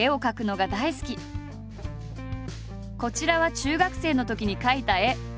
こちらは中学生のときに描いた絵。